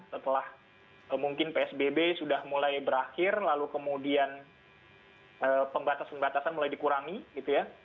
setelah mungkin psbb sudah mulai berakhir lalu kemudian pembatasan pembatasan mulai dikurangi gitu ya